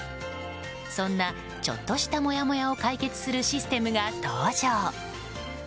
そんなちょっとした、もやもやを解決するシステムが登場。